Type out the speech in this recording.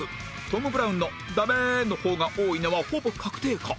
トム・ブラウンの「ダメー！」の方が多いのはほぼ確定か！？